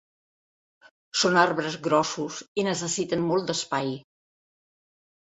Són arbres grossos i necessiten molt d'espai.